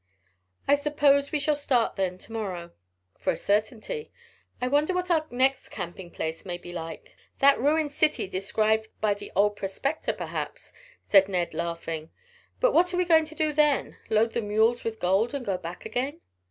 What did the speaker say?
"I suppose we shall start, then, to morrow." "For a certainty. I wonder what our next camping place may be like." "That ruined city described by the old prospector, perhaps," said Ned, laughing. "But what are we going to do then load the mules with gold, and go back again?"